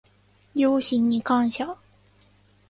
両親に感謝